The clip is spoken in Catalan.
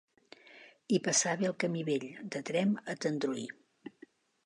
Hi passava el camí vell de Tremp a Tendrui.